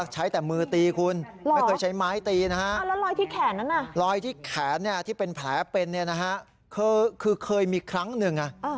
ใช้แต่มือตีคุณ